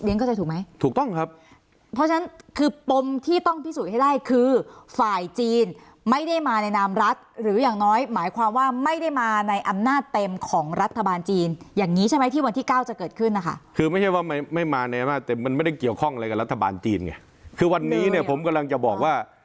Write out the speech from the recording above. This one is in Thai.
เข้าใจถูกไหมถูกต้องครับเพราะฉะนั้นคือปมที่ต้องพิสูจน์ให้ได้คือฝ่ายจีนไม่ได้มาในนามรัฐหรืออย่างน้อยหมายความว่าไม่ได้มาในอำนาจเต็มของรัฐบาลจีนอย่างงี้ใช่ไหมที่วันที่เก้าจะเกิดขึ้นนะคะคือไม่ใช่ว่าไม่ไม่มาในอำนาจเต็มมันไม่ได้เกี่ยวข้องอะไรกับรัฐบาลจีนไงคือวันนี้เนี่ยผมกำลังจะบอกว่า